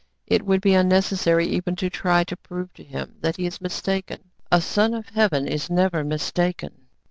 It would be unnecessary even to try to prove to him that he is mistaken. A Son of Heaven is never mistaken.